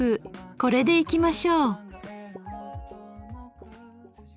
これでいきましょう。